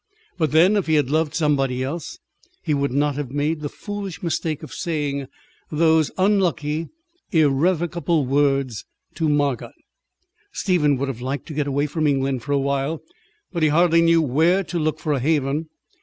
But then, if he had loved somebody else, he would not have made the foolish mistake of saying those unlucky, irrevocable words to Margot. Stephen would have liked to get away from England for a while, but he hardly knew where to look for a haven.